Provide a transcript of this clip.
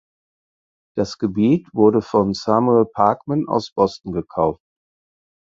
Das Gebiet wurde von Samuel Parkman aus Boston gekauft.